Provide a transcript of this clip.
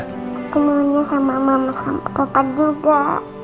kemudian sama mama sama kakak juga